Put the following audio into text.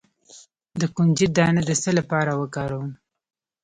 د کنجد دانه د څه لپاره وکاروم؟